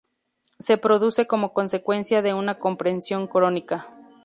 Se produce como consecuencia de una compresión crónica.